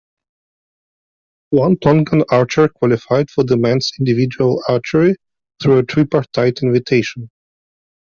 One Tongan archer qualified for the men's individual archery through a tripartite invitation.